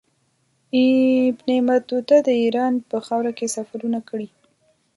ابن بطوطه د ایران په خاوره کې سفرونه کړي.